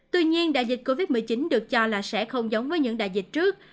tuy nhiên đại dịch covid một mươi chín được cho là sẽ không giống với những đại dịch trước